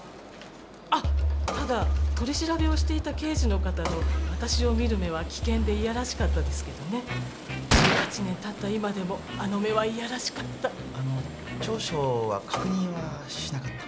あッただ取り調べをしていた刑事の方の私を見る目は危険でいやらしかったですけどね１８年たった今でもあの目はいやらしかった調書は確認はしなかった？